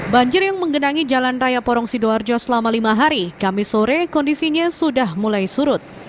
banjir yang menggenangi jalan raya porong sidoarjo selama lima hari kamis sore kondisinya sudah mulai surut